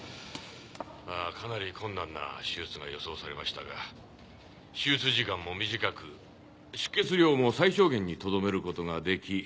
まあかなり困難な手術が予想されましたが手術時間も短く出血量も最小限にとどめることができ